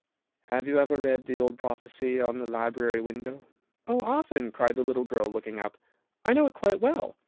"Have you ever read the old prophecy on the library window?" "Oh, often," cried the little girl, looking up; "I know it quite well.